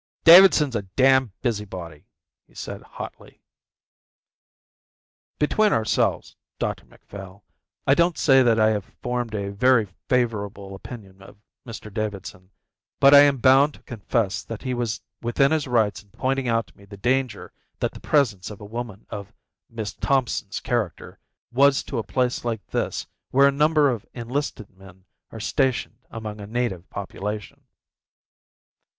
"Davidson's a damned busybody," he said hotly. "Between ourselves, Dr Macphail, I don't say that I have formed a very favourable opinion of Mr Davidson, but I am bound to confess that he was within his rights in pointing out to me the danger that the presence of a woman of Miss Thompson's character was to a place like this where a number of enlisted men are stationed among a native population."